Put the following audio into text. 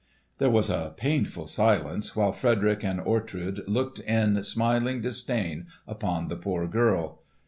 There was a painful silence, while Frederick and Ortrud looked in smiling disdain upon the poor girl.